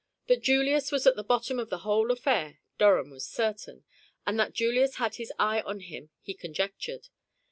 That Julius was at the bottom of the whole affair Durham was certain, and that Julius had his eye on him he conjectured.